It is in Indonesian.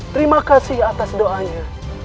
terima kasih atas doanya